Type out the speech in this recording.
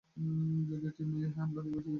যদিও তিনি এই হামলা থেকে বেঁচে গিয়েছিলেন।